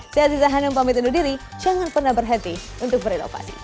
saya aziza hanum pamit undur diri jangan pernah berhenti untuk berinovasi